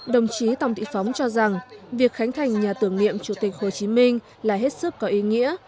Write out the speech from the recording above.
đồng chí tòng thị phóng cho rằng việc khánh thành nhà tưởng niệm chủ tịch hồ chí minh là hết sức có ý nghĩa